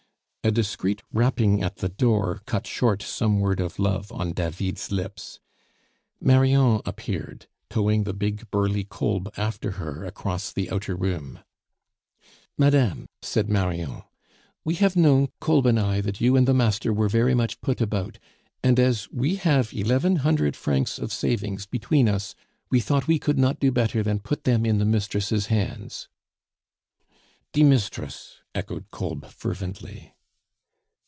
A discreet rapping at the door cut short some word of love on David's lips. Marion appeared, towing the big, burly Kolb after her across the outer room. "Madame," said Marion, "we have known, Kolb and I, that you and the master were very much put about; and as we have eleven hundred francs of savings between us, we thought we could not do better than put them in the mistress' hands " "Die misdress," echoed Kolb fervently.